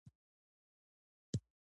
زرغون رنګ ښایسته دی.